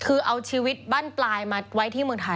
คือเอาชีวิตบ้านปลายมาไว้ที่เมืองไทย